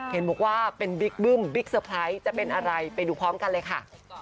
เห็นบอกว่าเป็นจะเป็นอะไรไปดูพร้อมกันเลยค่ะ